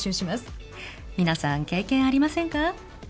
「皆さん経験ありませんか？」